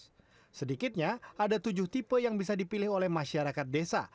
dan selanjutnya ada tujuh tipe yang bisa dipilih oleh masyarakat desa